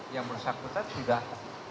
yang bersangkutan sudah